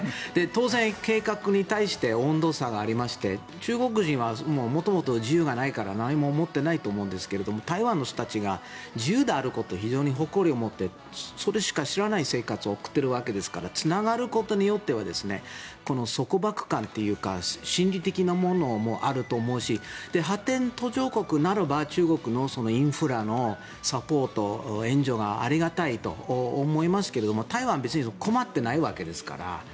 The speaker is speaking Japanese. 当然、計画に対して温度差がありまして中国人は元々自由がないから何も思っていないと思うんですが台湾の人たちは自由であることに非常に誇りを持ってそれしか知らない生活を送っているわけですからつながることによって束縛感というか心理的なものもあると思うし発展途上国ならば中国のインフラのサポート援助がありがたいと思いますけど台湾は別に困ってないわけですから。